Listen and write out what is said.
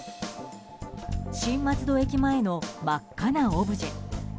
新松戸駅前の真っ赤なオブジェ。